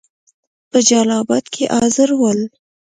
په جلال آباد کې حاضر ول.